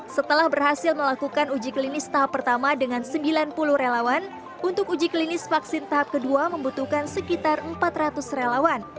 setelah berhasil melakukan uji klinis tahap pertama dengan sembilan puluh relawan untuk uji klinis vaksin tahap kedua membutuhkan sekitar empat ratus relawan